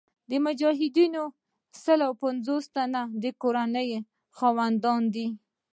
د مجاهدینو سل پنځوس تنه د کورنۍ خاوندان دي.